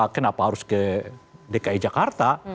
kenapa harus ke dki jakarta